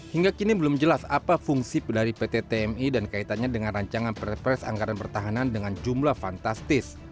hingga kini belum jelas apa fungsi dari pt tmi dan kaitannya dengan rancangan perpres anggaran pertahanan dengan jumlah fantastis